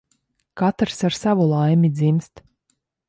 Katrs ar savu laimi dzimst.